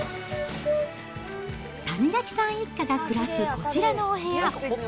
谷垣さん一家が暮らすこちらのお部屋。